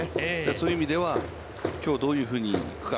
そういう意味では、きょうどういうふうに行くか。